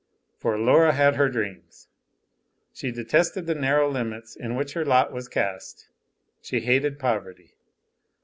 For Laura had her dreams. She detested the narrow limits in which her lot was cast, she hated poverty.